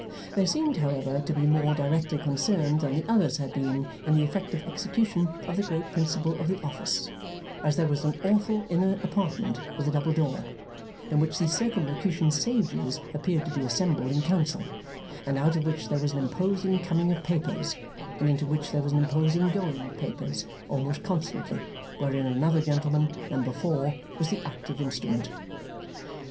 They seemed, however, to be more directly concerned than the others had been in the effective execution of the great principle of the office, as there was an awful inner apartment with a double door, in which the Circumlocution Sages appeared to be assembled in council, and out of which there was an imposing coming of papers, and into which there was an imposing going of papers, almost constantly; wherein another gentleman, number four, was the active instrument.